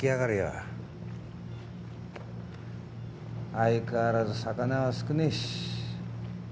相変わらず魚は少ねえし。